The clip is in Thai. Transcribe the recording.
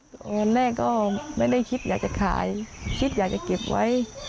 ตอนแรกก็ไม่ได้คิดอยากจะขายคิดอยากจะเก็บไว้